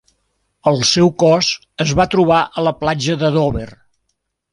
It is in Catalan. El seu cos es va trobar a la platja de Dover.